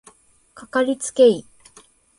かかりつけ医